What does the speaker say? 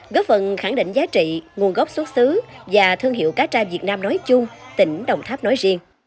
góp phần khẳng định giá trị nguồn gốc xuất xứ và thương hiệu cá tra việt nam nói chung tỉnh đồng tháp nói riêng